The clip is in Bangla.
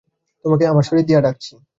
তোমাকে আমার শরীর দিয়ে ঢাকছি।